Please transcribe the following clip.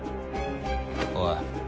おい。